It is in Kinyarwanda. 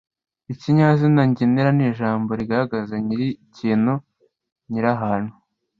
ikinyazina ngenera ni ijambo rigaragaza nyiri ikintu nyiri ahantu